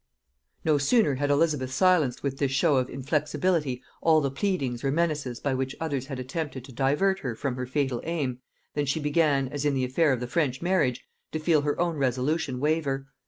No sooner had Elizabeth silenced with this show of inflexibility all the pleadings or menaces by which others had attempted to divert her from her fatal aim, than she began, as in the affair of the French marriage, to feel her own resolution waver.